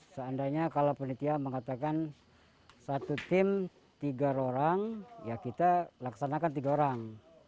seandainya kalau penitia mengatakan satu tim tiga orang ya kita laksanakan tiga orang